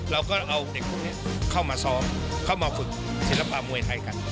เราก็เอาเด็กพวกนี้เข้ามาซ้อมเข้ามาฝึกศิลปะมวยไทยกัน